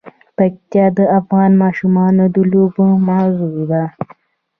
پکتیا د افغان ماشومانو د لوبو موضوع ده.